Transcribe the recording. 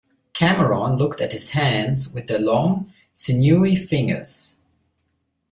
Cameron looked at his hands with their long, sinewy fingers.